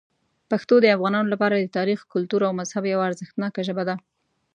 پښتو د افغانانو لپاره د تاریخ، کلتور او مذهب یوه ارزښتناک ژبه ده.